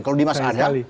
kalau dimas ada